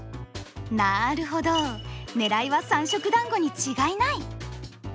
なるほど狙いは三色団子に違いない。